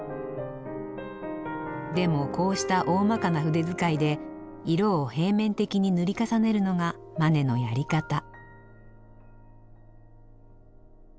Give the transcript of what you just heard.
でもこうしたおおまかな筆遣いで色を平面的に塗り重ねるのがマネのやり方。